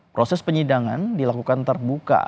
proses penyidangan dilakukan terbuka